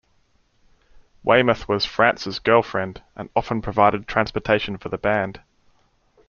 Weymouth was Frantz's girlfriend and often provided transportation for the band.